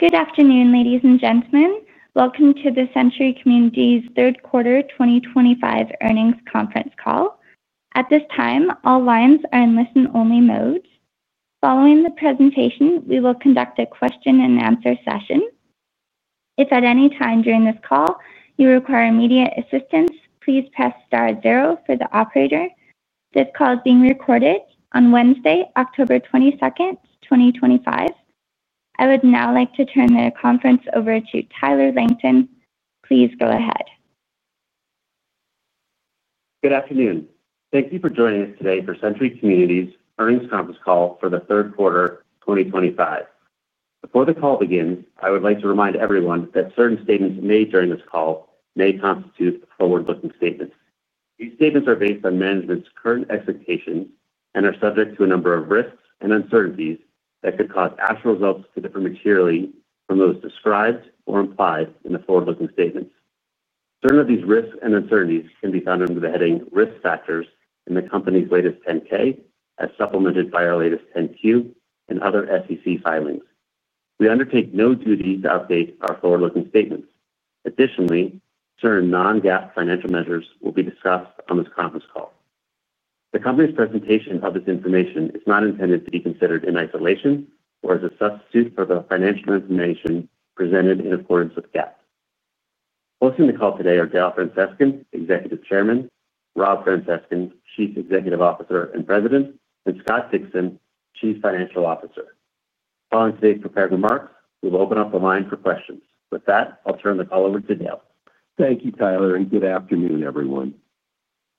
Good afternoon, ladies and gentlemen. Welcome to the Century Communities' third quarter 2025 earnings conference call. At this time, all lines are in listen-only mode. Following the presentation, we will conduct a question-and-answer session. If at any time during this call you require immediate assistance, please press *0 for the operator. This call is being recorded on Wednesday, October 22nd, 2025. I would now like to turn the conference over to Tyler Langton. Please go ahead. Good afternoon. Thank you for joining us today for Century Communities' earnings conference call for the third quarter 2025. Before the call begins, I would like to remind everyone that certain statements made during this call may constitute a forward-looking statement. These statements are based on management's current expectations and are subject to a number of risks and uncertainties that could cause actual results to differ materially from those described or implied in the forward-looking statements. Certain of these risks and uncertainties can be found under the heading Risk Factors in the Company's latest 10-K, as supplemented by our latest 10-Q and other SEC filings. We undertake no duty to update our forward-looking statements. Additionally, certain non-GAAP financial measures will be discussed on this conference call. The company's presentation of this information is not intended to be considered in isolation or as a substitute for the financial information presented in accordance with GAAP. Hosting the call today are Dale Francescon, Executive Chairman, Rob Francescon, Chief Executive Officer and President, and Scott Dixon, Chief Financial Officer. Following today's prepared remarks, we will open up the line for questions. With that, I'll turn the call over to Dale. Thank you, Tyler, and good afternoon, everyone.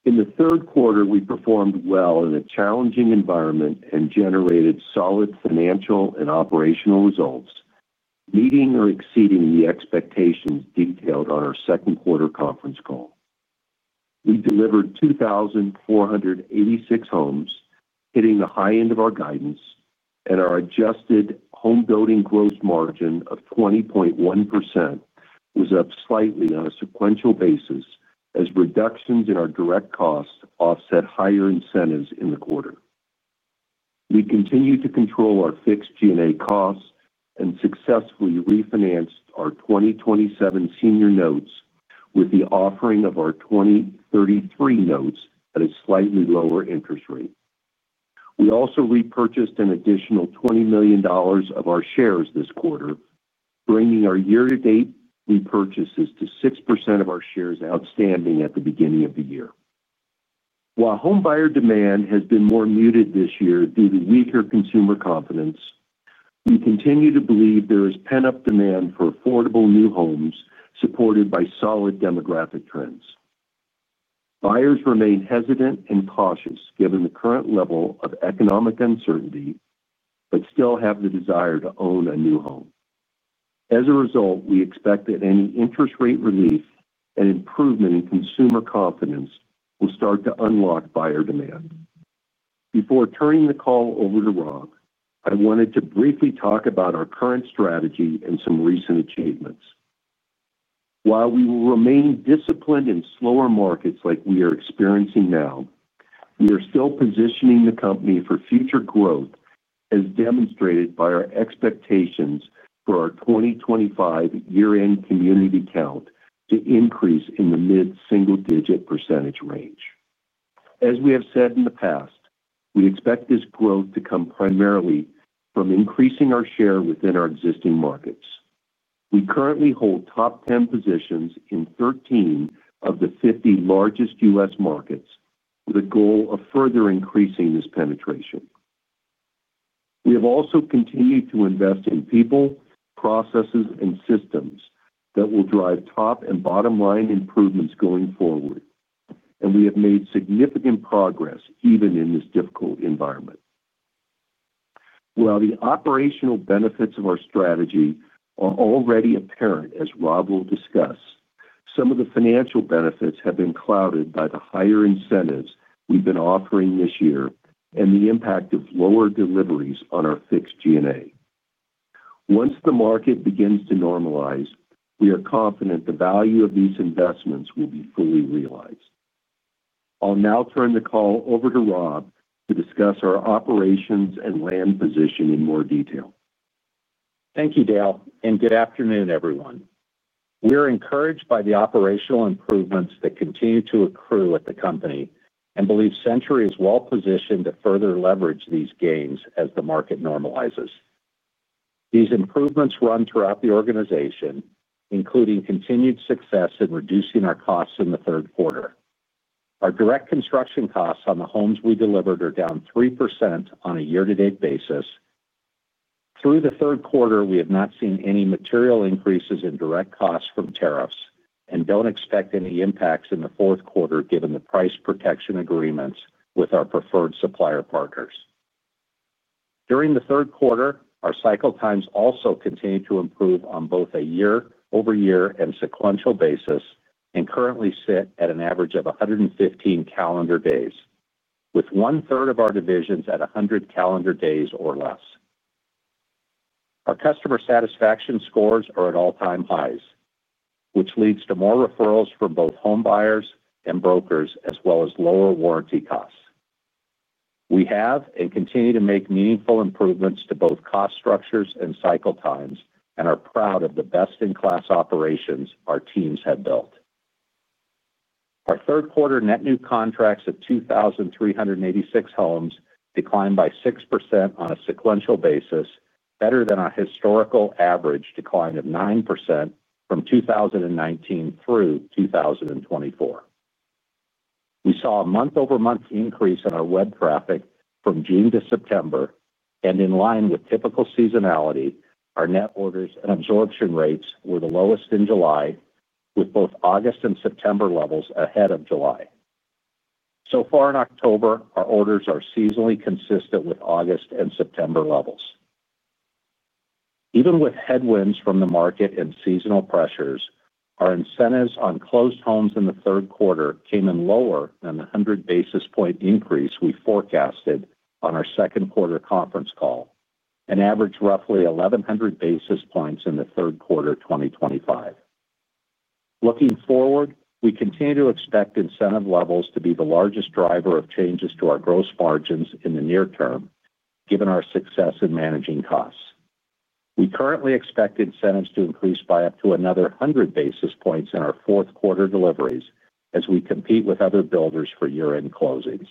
In the third quarter, we performed well in a challenging environment and generated solid financial and operational results, meeting or exceeding the expectations detailed on our second quarter conference call. We delivered 2,486 homes, hitting the high end of our guidance, and our adjusted home building gross margin of 20.1% was up slightly on a sequential basis as reductions in our direct construction costs offset higher incentives in the quarter. We continued to control our fixed G&A costs and successfully refinanced our 2027 senior notes with the offering of our 2033 notes at a slightly lower interest rate. We also repurchased an additional $20 million of our shares this quarter, bringing our year-to-date repurchases to 6% of our shares outstanding at the beginning of the year. While home buyer demand has been more muted this year, due to weaker consumer confidence, we continue to believe there is pent-up demand for affordable new homes supported by solid demographic trends. Buyers remain hesitant and cautious given the current level of economic uncertainty but still have the desire to own a new home. As a result, we expect that any interest rate relief and improvement in consumer confidence will start to unlock buyer demand. Before turning the call over to Rob, I wanted to briefly talk about our current strategy and some recent achievements. While we will remain disciplined in slower markets like we are experiencing now, we are still positioning the company for future growth as demonstrated by our expectations for our 2025 year-end community count to increase in the mid-single-digit percentage range. As we have said in the past, we expect this growth to come primarily from increasing our share within our existing markets. We currently hold top 10 positions in 13 of the 50 largest U.S. markets, with a goal of further increasing this penetration. We have also continued to invest in people, processes, and systems that will drive top and bottom-line improvements going forward, and we have made significant progress even in this difficult environment. While the operational benefits of our strategy are already apparent, as Rob will discuss, some of the financial benefits have been clouded by the higher incentives we've been offering this year and the impact of lower deliveries on our fixed G&A. Once the market begins to normalize, we are confident the value of these investments will be fully realized. I'll now turn the call over to Rob to discuss our operations and land position in more detail. Thank you, Dale, and good afternoon, everyone. We are encouraged by the operational improvements that continue to accrue at the company and believe Century Communities is well-positioned to further leverage these gains as the market normalizes. These improvements run throughout the organization, including continued success in reducing our costs in the third quarter. Our direct construction costs on the homes we delivered are down 3% on a year-to-date basis. Through the third quarter, we have not seen any material increases in direct costs from tariffs and don't expect any impacts in the fourth quarter given the price protection agreements with our preferred supplier partners. During the third quarter, our cycle times also continue to improve on both a year-over-year and sequential basis and currently sit at an average of 115 calendar days, with one-third of our divisions at 100 calendar days or less. Our customer satisfaction scores are at all-time highs, which leads to more referrals from both home buyers and brokers, as well as lower warranty costs. We have and continue to make meaningful improvements to both cost structures and cycle times and are proud of the best-in-class operations our teams had built. Our third quarter net new contracts at 2,386 homes declined by 6% on a sequential basis, better than our historical average decline of 9% from 2019 through 2024. We saw a month-over-month increase in our web traffic from June to September, and in line with typical seasonality, our net orders and absorption rates were the lowest in July, with both August and September levels ahead of July. So far in October, our orders are seasonally consistent with August and September levels. Even with headwinds from the market and seasonal pressures, our incentives on closed homes in the third quarter came in lower than the 100 basis point increase we forecasted on our second quarter conference call and averaged roughly 1,100 basis points in the third quarter 2025. Looking forward, we continue to expect incentive levels to be the largest driver of changes to our gross margins in the near term, given our success in managing costs. We currently expect incentives to increase by up to another 100 basis points in our fourth quarter deliveries as we compete with other builders for year-end closings.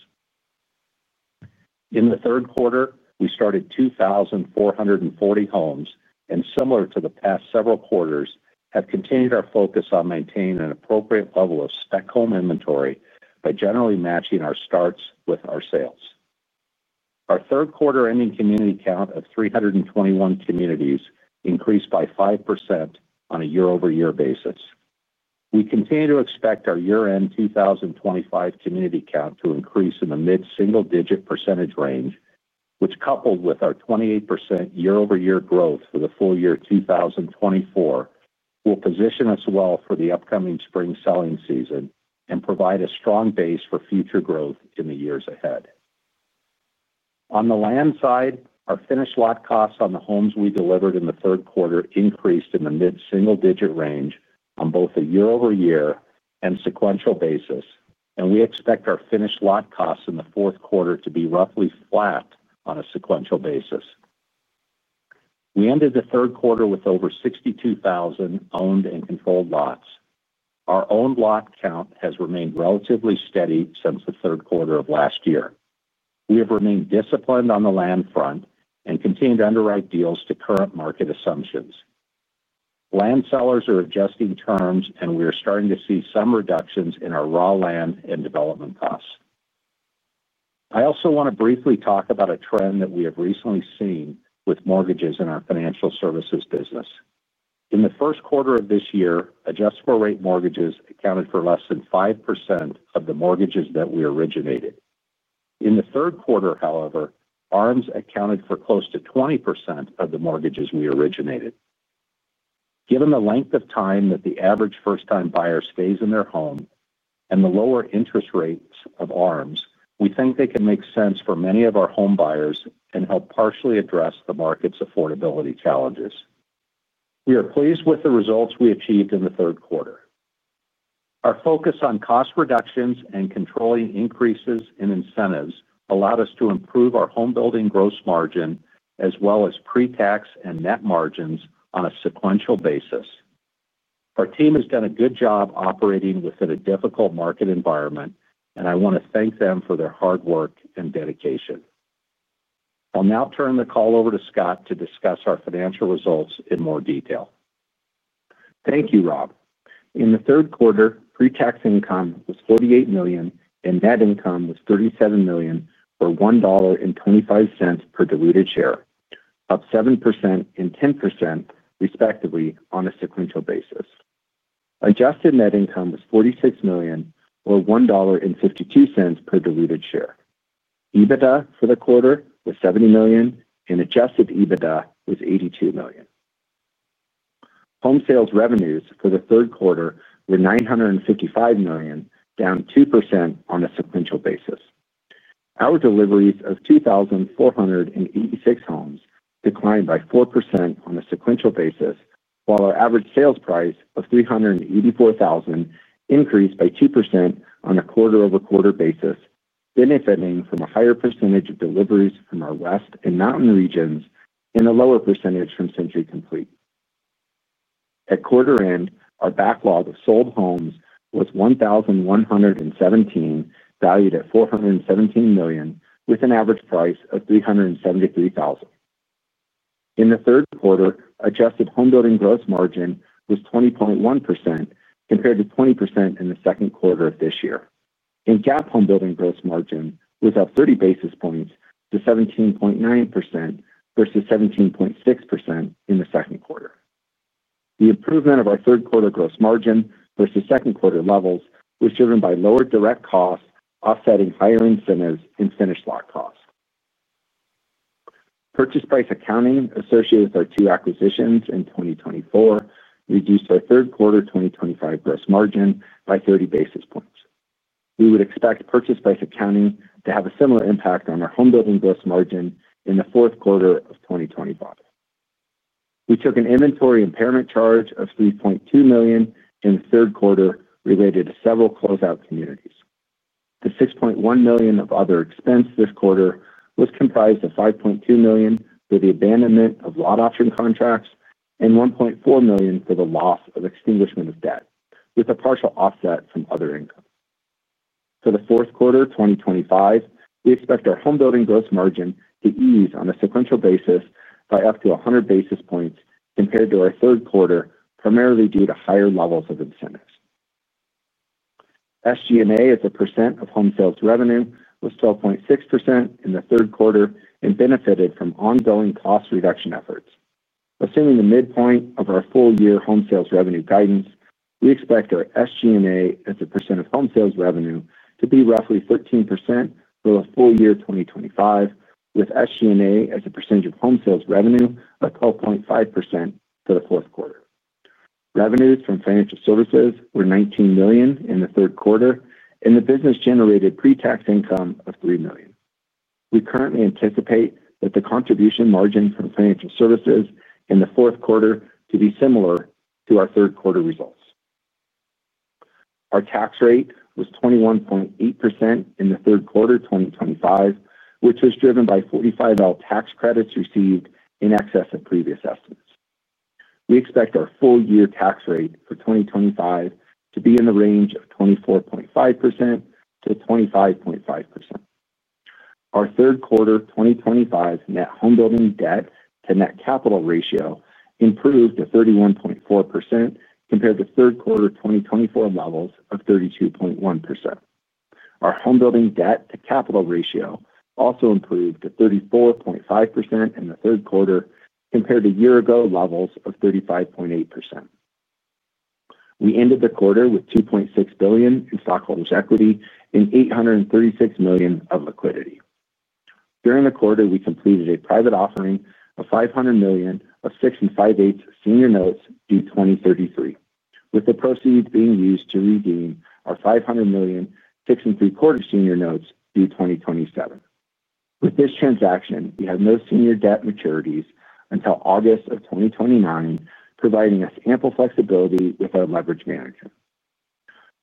In the third quarter, we started 2,440 homes and, similar to the past several quarters, have continued our focus on maintaining an appropriate level of spec home inventory by generally matching our starts with our sales. Our third quarter ending community count of 321 communities increased by 5% on a year-over-year basis. We continue to expect our year-end 2025 community count to increase in the mid-single-digit percentage range, which, coupled with our 28% year-over-year growth for the full year 2024, will position us well for the upcoming spring selling season and provide a strong base for future growth in the years ahead. On the land side, our finished lot costs on the homes we delivered in the third quarter increased in the mid-single-digit range on both a year-over-year and sequential basis, and we expect our finished lot costs in the fourth quarter to be roughly flat on a sequential basis. We ended the third quarter with over 62,000 owned and controlled lots. Our owned lot count has remained relatively steady since the third quarter of last year. We have remained disciplined on the land front and continue to underwrite deals to current market assumptions. Land sellers are adjusting terms, and we are starting to see some reductions in our raw land and development costs. I also want to briefly talk about a trend that we have recently seen with mortgages in our financial services business. In the first quarter of this year, adjustable-rate mortgages accounted for less than 5% of the mortgages that we originated. In the third quarter, however, ARMs accounted for close to 20% of the mortgages we originated. Given the length of time that the average first-time buyer stays in their home and the lower interest rates of ARMs, we think they can make sense for many of our home buyers and help partially address the market's affordability challenges. We are pleased with the results we achieved in the third quarter. Our focus on cost reductions and controlling increases in incentives allowed us to improve our home building gross margin as well as pre-tax and net margins on a sequential basis. Our team has done a good job operating within a difficult market environment, and I want to thank them for their hard work and dedication. I'll now turn the call over to Scott to discuss our financial results in more detail. Thank you, Rob. In the third quarter, pre-tax income was $48 million and net income was $37 million or $1.25 per diluted share, up 7% and 10% respectively on a sequential basis. Adjusted net income was $46 million or $1.52 per diluted share. EBITDA for the quarter was $70 million and adjusted EBITDA was $82 million. Home sales revenues for the third quarter were $955 million, down 2% on a sequential basis. Our deliveries of 2,486 homes declined by 4% on a sequential basis, while our average sales price of $384,000 increased by 2% on a quarter-over-quarter basis, benefiting from a higher percentage of deliveries from our West and Mountain regions and a lower percentage from Century Complete. At quarter end, our backlog of sold homes was 1,117, valued at $417 million with an average price of $373,000. In the third quarter, adjusted home building gross margin was 20.1% compared to 20% in the second quarter of this year. GAAP home building gross margin was up 30 basis points to 17.9% versus 17.6% in the second quarter. The improvement of our third quarter gross margin versus second quarter levels was driven by lower direct costs offsetting higher incentives and finished lot costs. Purchase price accounting associated with our two acquisitions in 2024 reduced our third quarter 2025 gross margin by 30 basis points. We would expect purchase price accounting to have a similar impact on our home building gross margin in the fourth quarter of 2025. We took an inventory impairment charge of $3.2 million in the third quarter related to several closeout communities. The $6.1 million of other expense this quarter was comprised of $5.2 million for the abandonment of lot option contracts and $1.4 million for the loss of extinguishment of debt, with a partial offset from other income. For the fourth quarter 2025, we expect our home building gross margin to ease on a sequential basis by up to 100 basis points compared to our third quarter, primarily due to higher levels of incentives. SG&A as a percent of home sales revenue was 12.6% in the third quarter and benefited from ongoing cost reduction efforts. Assuming the midpoint of our full year home sales revenue guidance, we expect our SG&A as a percent of home sales revenue to be roughly 13% for the full year 2025, with SG&A as a percentage of home sales revenue of 12.5% for the fourth quarter. Revenues from financial services were $19 million in the third quarter and the business generated pre-tax income of $3 million. We currently anticipate that the contribution margins from financial services in the fourth quarter to be similar to our third quarter results. Our tax rate was 21.8% in the third quarter 2025, which was driven by 45L tax credits received in excess of previous estimates. We expect our full year tax rate for 2025 to be in the range of 24.5%-25.5%. Our third quarter 2025 net home building debt to net capital ratio improved to 31.4% compared to third quarter 2024 levels of 32.1%. Our home building debt to capital ratio also improved to 34.5% in the third quarter compared to year ago levels of 35.8%. We ended the quarter with $2.6 billion in stockholders' equity and $836 million of liquidity. During the quarter, we completed a private offering of $500 million [fixing] of senior notes in 2033, with the proceeds being used to redeem our $500 million [fixing 3/4] senior notes in 2027. With this transaction, we have no senior debt maturities until August of 2029, providing us ample flexibility with our leverage management.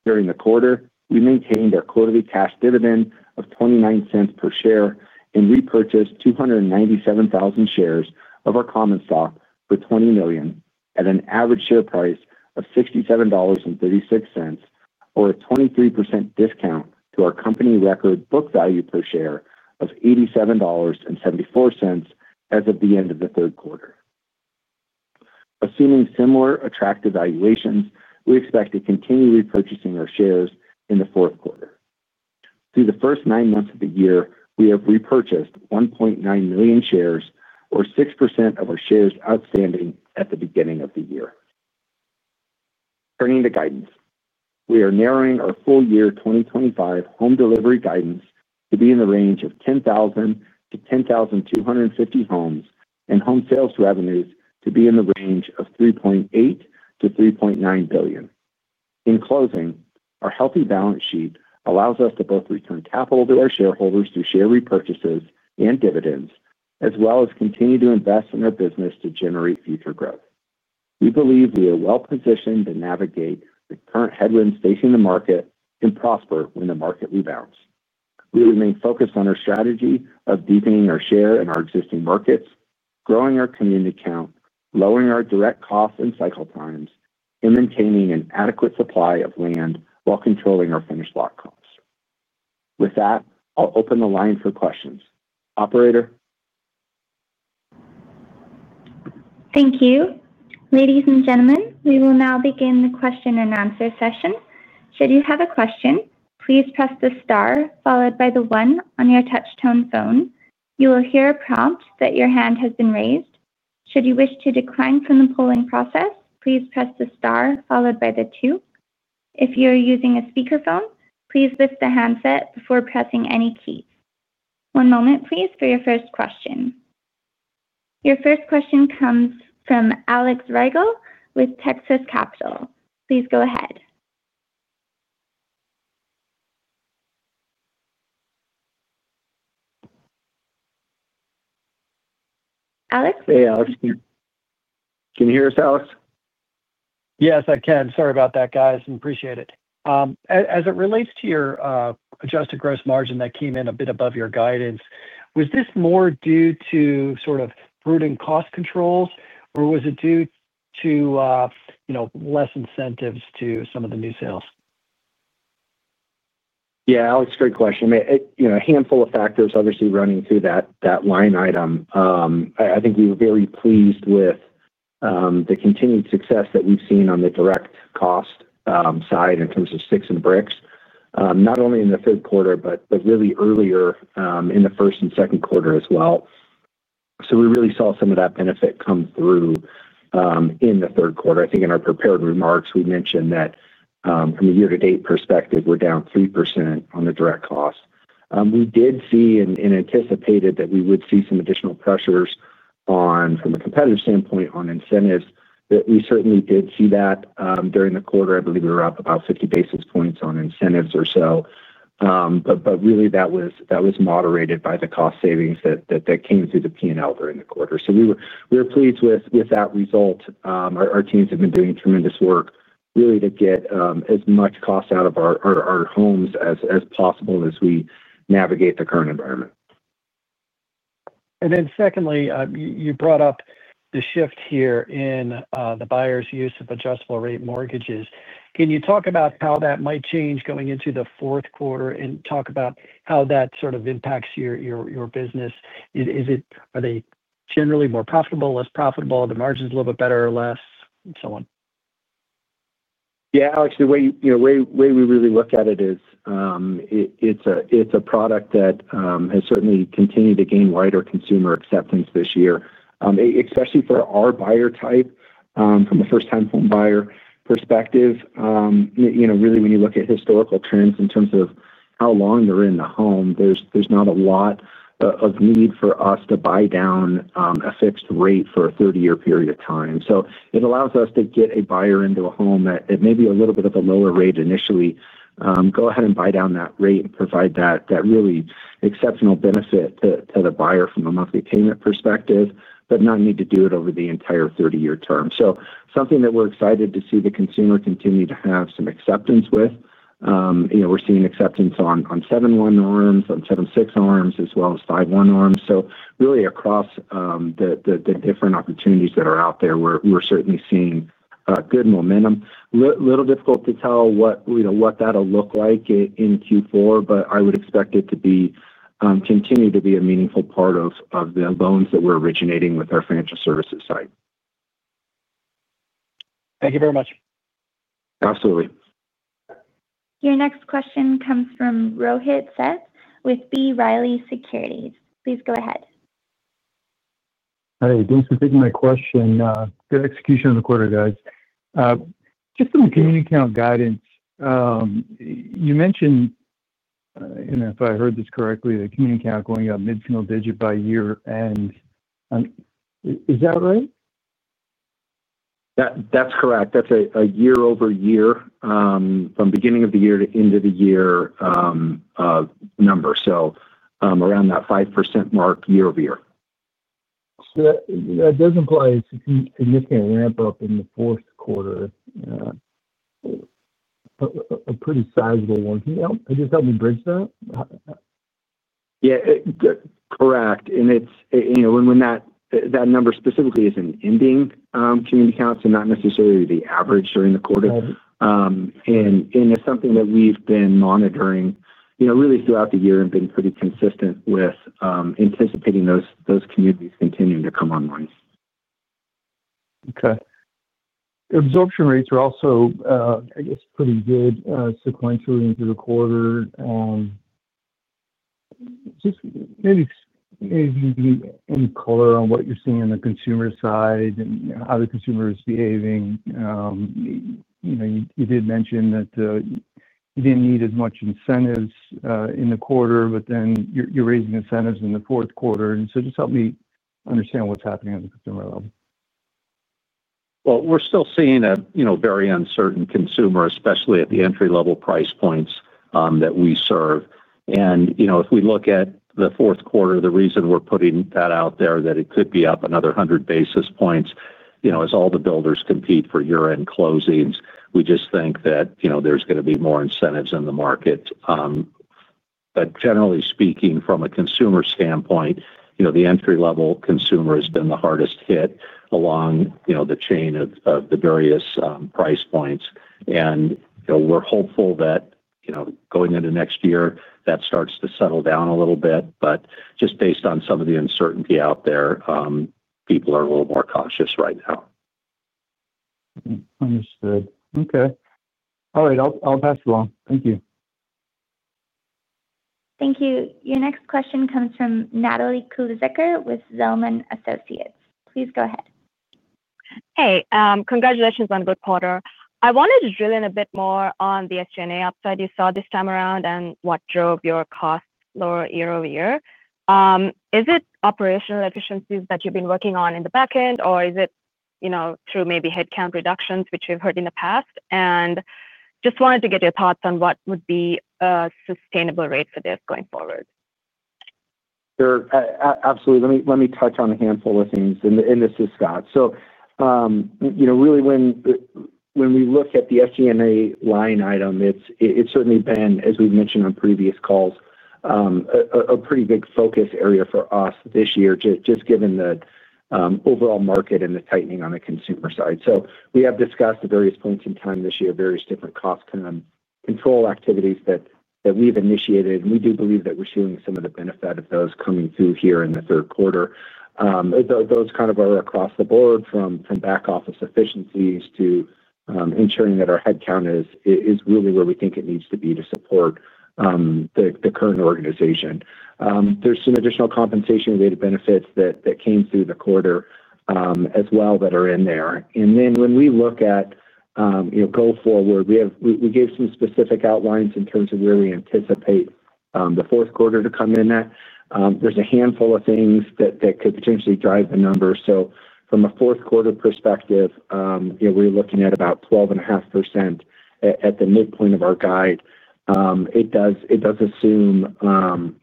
During the quarter, we maintained a quarterly cash dividend of $0.29 per share and repurchased 297,000 shares of our common stock for $20 million at an average share price of $67.36, or a 23% discount to our company record book value per share of $87.74 as of the end of the third quarter. Assuming similar attractive valuations, we expect to continue repurchasing our shares in the fourth quarter. Through the first nine months of the year, we have repurchased 1.9 million shares, or 6% of our shares outstanding at the beginning of the year. Turning to guidance, we are narrowing our full year 2025 home delivery guidance to be in the range of 10,000-10,250 homes and home sales revenues to be in the range of $3.8 billion-$3.9 billion. In closing, our healthy balance sheet allows us to both return capital to our shareholders through share repurchases and dividends, as well as continue to invest in our business to generate future growth. We believe we are well-positioned to navigate the current headwinds facing the market and prosper when the market rebounds. We remain focused on our strategy of deepening our share in our existing markets, growing our community count, lowering our direct costs and cycle times, and maintaining an adequate supply of land while controlling our finished lot costs. With that, I'll open the line for questions. Operator? Thank you. Ladies and gentlemen, we will now begin the question-and-answer session. Should you have a question, please press the star followed by the one on your touch-tone phone. You will hear a prompt that your hand has been raised. Should you wish to decline from the polling process, please press the star followed by the two. If you are using a speakerphone, please lift the handset before pressing any key. One moment, please, for your first question. Your first question comes from Alex Rygiel with Texas Capital. Please go ahead. Alex? Hey, Alex. Can you hear us, Alex? Yes, I can. Sorry about that, guys. Appreciate it. As it relates to your adjusted gross margin that came in a bit above your guidance, was this more due to sort of broader cost controls, or was it due to, you know, less incentives to some of the new sales? Yeah, Alex, great question. I mean, a handful of factors obviously running through that line item. I think we were very pleased with the continued success that we've seen on the direct cost side in terms of sticks and bricks, not only in the third quarter, but really earlier in the first and second quarter as well. We really saw some of that benefit come through in the third quarter. I think in our prepared remarks, we mentioned that from a year-to-date perspective, we're down 3% on the direct cost. We did see and anticipated that we would see some additional pressures from a competitive standpoint on incentives. We certainly did see that during the quarter. I believe we were up about 50 basis points on incentives or so. That was moderated by the cost savings that came through the P&L during the quarter. We were pleased with that result. Our teams have been doing tremendous work really to get as much cost out of our homes as possible as we navigate the current environment. You brought up the shift here in the buyers' use of adjustable-rate mortgages. Can you talk about how that might change going into the fourth quarter and talk about how that sort of impacts your business? Are they generally more profitable, less profitable, the margins a little bit better or less, and so on? Yeah, Alex, the way we really look at it is it's a product that has certainly continued to gain wider consumer acceptance this year, especially for our buyer type from the first-time home buyer perspective. When you look at historical trends in terms of how long they're in the home, there's not a lot of need for us to buy down a fixed rate for a 30-year period of time. It allows us to get a buyer into a home that may be a little bit at the lower rate initially, go ahead and buy down that rate and provide that really exceptional benefit to the buyer from a monthly payment perspective, but not need to do it over the entire 30-year term. We're excited to see the consumer continue to have some acceptance with it. We're seeing acceptance on 7-1 ARMs, on 7-6 ARMs, as well as 5-1 ARMs.Across the different opportunities that are out there, we're certainly seeing good momentum. It's a little difficult to tell what that will look like in Q4, but I would expect it to continue to be a meaningful part of the loans that we're originating with our financial services side. Thank you very much. Absolutely. Your next question comes from Rohit Seth with B. Riley Securities. Please go ahead. Hey, thanks for taking my question. Good execution of the quarter, guys. Just on the community count guidance, you mentioned, and if I heard this correctly, the community count going up mid-single digit by year end. Is that right? That's correct. That's a year-over-year, from beginning of the year to end of the year number, so around that 5% mark year-over-year. That does imply a significant ramp-up in the fourth quarter, a pretty sizable one. Can you help me bridge that? Correct. It's, you know, when that number specifically is an ending community count, so not necessarily the average during the quarter. It's something that we've been monitoring really throughout the year and been pretty consistent with anticipating those communities continuing to come online. Okay. Absorption rates are also, I guess, pretty good sequentially and through the quarter. Maybe you can do any color on what you're seeing on the consumer side and how the consumer is behaving. You know, you did mention that you didn't need as much incentives in the quarter, but you're raising incentives in the fourth quarter. Just help me understand what's happening on the consumer level. We're still seeing a very uncertain consumer, especially at the entry-level price points that we serve. If we look at the fourth quarter, the reason we're putting that out there is that it could be up another 100 basis points. As all the builders compete for year-end closings, we just think that there's going to be more incentives in the market. Generally speaking, from a consumer standpoint, the entry-level consumer has been the hardest hit along the chain of the various price points. We're hopeful that, going into next year, that starts to settle down a little bit. Just based on some of the uncertainty out there, people are a little more cautious right now. Understood. Okay. All right. I'll pass it along. Thank you. Thank you. Your next question comes from Natalie Kulasekere with Zelman & Associates. Please go ahead. Hey, congratulations on the quarter. I wanted to drill in a bit more on the SG&A upside you saw this time around and what drove your costs lower year-over-year. Is it operational efficiencies that you've been working on in the backend, or is it through maybe headcount reductions, which we've heard in the past? I just wanted to get your thoughts on what would be a sustainable rate for this going forward. Sure. Absolutely. Let me touch on a handful of things in this with Scott. When we look at the SG&A line item, it's certainly been, as we've mentioned on previous calls, a pretty big focus area for us this year, just given the overall market and the tightening on the consumer side. We have discussed at various points in time this year, various different cost control activities that we've initiated. We do believe that we're seeing some of the benefit of those coming through here in the third quarter. Those are across the board from back office efficiencies to ensuring that our headcount is really where we think it needs to be to support the current organization. There's some additional compensation-related benefits that came through the quarter as well that are in there. When we look at, you know, go forward, we gave some specific outlines in terms of where we anticipate the fourth quarter to come in at. There's a handful of things that could potentially drive the numbers. From a fourth quarter perspective, we're looking at about 12.5% at the midpoint of our guide. It does assume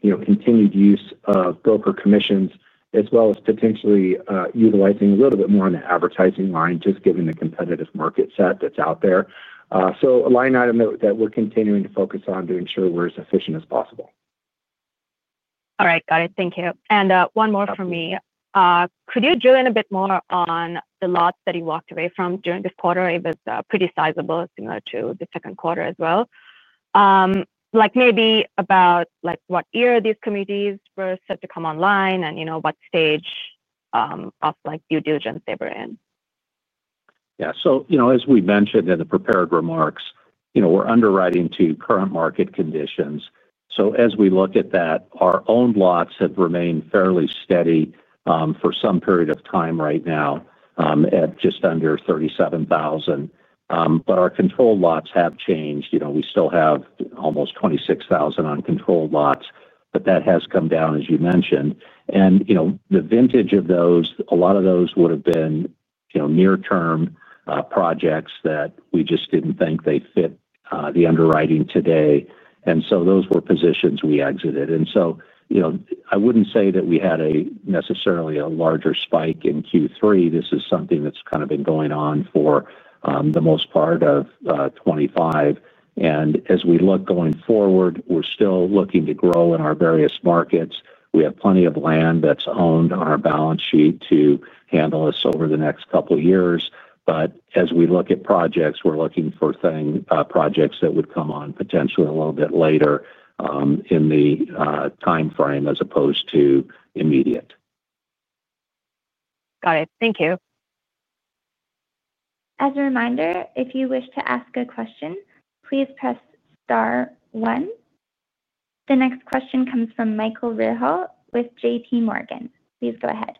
continued use of broker commissions as well as potentially utilizing a little bit more on the advertising line, just given the competitive market set that's out there. It's a line item that we're continuing to focus on to ensure we're as efficient as possible. All right. Got it. Thank you. One more from me. Could you drill in a bit more on the lots that you walked away from during this quarter? It was pretty sizable, similar to the second quarter as well. Maybe about what year these communities were set to come online and what stage of due diligence they were in. Yeah. As we mentioned in the prepared remarks, we're underwriting to current market conditions. As we look at that, our owned lots have remained fairly steady for some period of time right now at just under 37,000. Our controlled lots have changed. We still have almost 26,000 uncontrolled lots, but that has come down, as you mentioned. The vintage of those, a lot of those would have been near-term projects that we just didn't think fit the underwriting today. Those were positions we exited. I wouldn't say that we had necessarily a larger spike in Q3. This is something that's kind of been going on for the most part of 2025. As we look going forward, we're still looking to grow in our various markets. We have plenty of land that's owned on our balance sheet to handle us over the next couple of years. As we look at projects, we're looking for projects that would come on potentially a little bit later in the time frame as opposed to immediate. Got it. Thank you. As a reminder, if you wish to ask a question, please press *1. The next question comes from Michael Rehaut with JPMorgan Chase & Co. Please go ahead.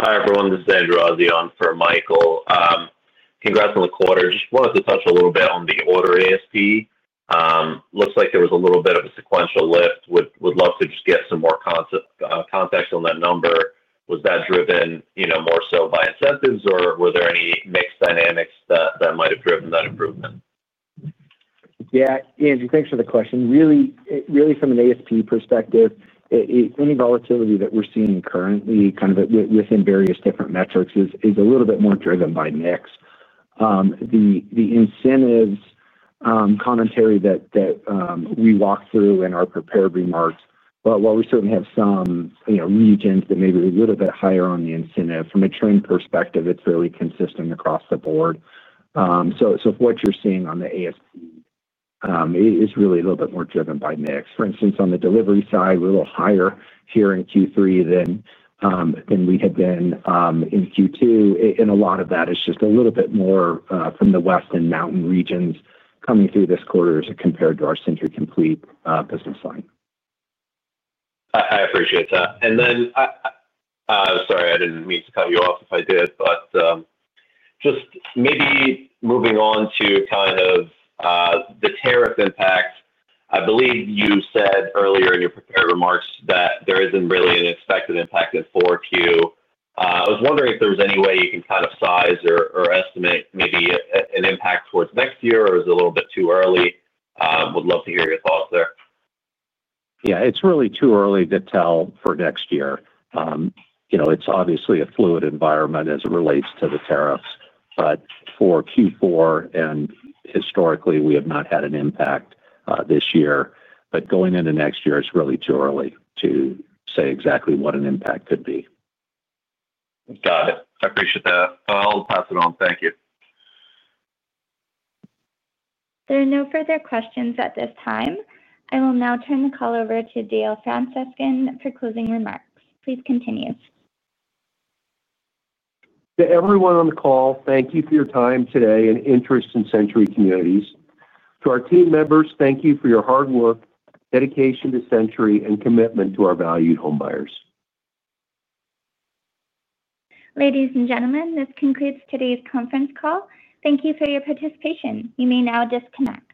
Hi, everyone. This is Zain Razi on for Michael. Congrats on the quarter. I just wanted to touch a little bit on the order ASP. Looks like there was a little bit of a sequential lift. Would love to just get some more context on that number. Was that driven more so by incentives, or were there any mixed dynamics that might have driven that improvement? Yeah, Zain, thanks for the question. Really, from an ASP perspective, any volatility that we're seeing currently within various different metrics is a little bit more driven by mix. The incentives commentary that we walked through in our prepared remarks, while we certainly have some regions that may be a little bit higher on the incentive, from a trend perspective, it's fairly consistent across the board. What you're seeing on the ASP is really a little bit more driven by mix. For instance, on the delivery side, we're a little higher here in Q3 than we had been in Q2. A lot of that is just a little bit more from the West and Mountain regions coming through this quarter as compared to our Century Complete business line. I appreciate that. Sorry, I didn't mean to cut you off if I did, but just maybe moving on to the tariff impact. I believe you said earlier in your prepared remarks that there isn't really an expected impact in 4Q. I was wondering if there was any way you can size or estimate maybe an impact towards next year, or is it a little bit too early? I would love to hear your thoughts there. Yeah, it's really too early to tell for next year. You know, it's obviously a fluid environment as it relates to the tariffs. For Q4 and historically, we have not had an impact this year. Going into next year, it's really too early to say exactly what an impact could be. Got it. I appreciate that. I'll pass it on. Thank you. There are no further questions at this time. I will now turn the call over to Dale Francescon for closing remarks. Please continue. To everyone on the call, thank you for your time today and interest in Century Communities. To our team members, thank you for your hard work, dedication to Century, and commitment to our valued home buyers. Ladies and gentlemen, this concludes today's conference call. Thank you for your participation. You may now disconnect.